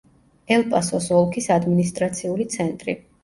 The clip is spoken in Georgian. ელ-პასოს ოლქის ადმინისტრაციული ცენტრი.